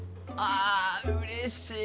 あうれしい！